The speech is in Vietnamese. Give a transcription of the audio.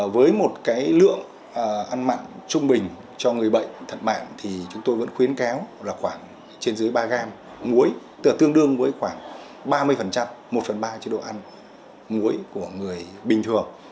với một cái lượng ăn mặn trung bình cho người bệnh thật mạng thì chúng tôi vẫn khuyến cáo là khoảng trên dưới ba gram muối tương đương với khoảng ba mươi một phần ba chế độ ăn muối của người bình thường